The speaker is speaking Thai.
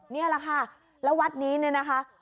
นี่แหละค่ะแล้ววัดนี้เนี่ยนะคะ